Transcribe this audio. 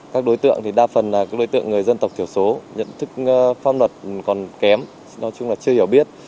các đối tượng thì đa phần là đối tượng người dân tộc thiểu số nhận thức pháp luật còn kém nói chung là chưa hiểu biết